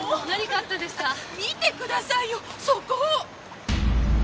見てくださいよそこ。